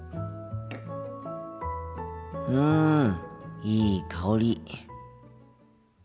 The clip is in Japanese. うんいい香り。